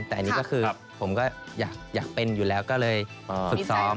แต่อันนี้ก็คือผมก็อยากเป็นอยู่แล้วก็เลยฝึกซ้อม